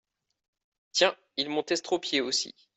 Tiens ! ils m’ont estropié aussi.